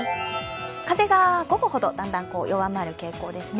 風が午後ほど、だんだん弱まる傾向ですね。